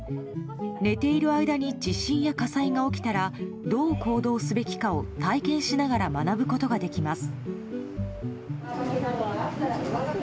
寝ている間に地震や火災が起きたらどう行動すべきかを体験しながら学ぶことができます。